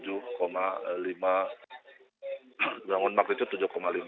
jamun waktu itu tujuh lima